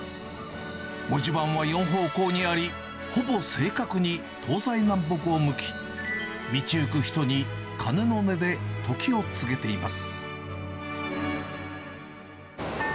文字盤は４方向にあり、ほぼ正確に東西南北を向き、道行く人に鐘の音で時を告げています。